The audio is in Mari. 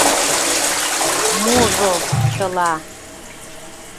Можо — чыла?